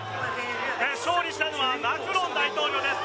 勝利したのはマクロン大統領です。